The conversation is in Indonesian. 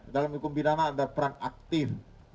dalam hukum bidana ada peran aktif